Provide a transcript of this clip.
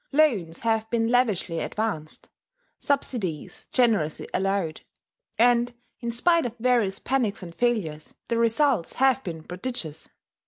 Loans have been lavishly advanced. subsidies generously allowed; and, in spite of various panics and failures, the results have been prodigious.